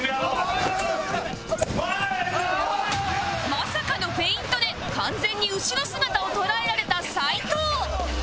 まさかのフェイントで完全に後ろ姿を捉えられた齊藤